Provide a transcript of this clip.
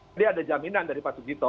jadi ada jaminan dari pak sugito